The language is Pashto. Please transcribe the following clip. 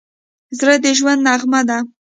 زړه د ژوند نغمه ده.